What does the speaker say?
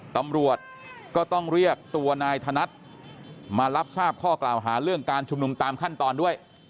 ตำรวจก็ต้องเรียกตัวนายธนัดมารับทราบข้อกล่าวหาเรื่องการชุมนุมตามขั้นตอนด้วย